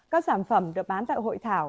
các sản phẩm được bán tại hội